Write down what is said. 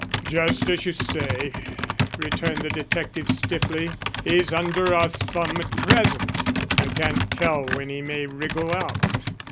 "Just as you say," returned the detective stiffly. "He's under our thumb at present, I can't tell when he may wriggle out."